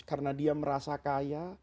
karena dia merasa kaya